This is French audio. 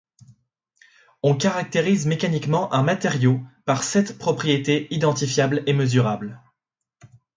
On caractérise mécaniquement un matériau par sept propriétés identifiables et mesurables.